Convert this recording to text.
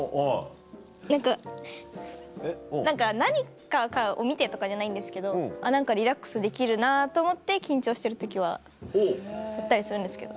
何か何かを見てとかじゃないんですけど何かリラックスできるなと思って緊張してる時はやったりするんですけど。